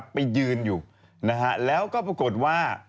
ไปยืนอยู่นะฮะแล้วก็ปรากฏว่า